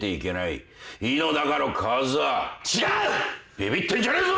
ビビってんじゃねえぞ！